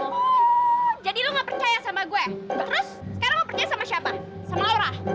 wuuu jadi lo gak percaya sama gue gak harus sekarang lo percaya sama siapa sama laura